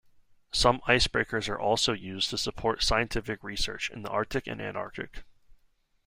Some icebreakers are also used to support scientific research in the Arctic and Antarctic.